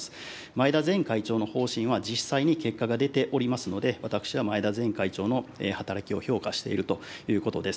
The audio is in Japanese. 前田前会長の方針は実際に結果が出ておりますので、私は前田前会長の働きを評価しているということです。